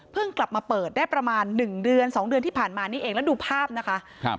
เพิ่งกลับมาเปิดได้ประมาณ๑เดือน๒เดือนที่ผ่านมานี่เองแล้วดูภาพนะคะ